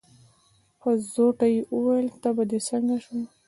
په زوټه يې وويل: تبه دې څنګه شوه؟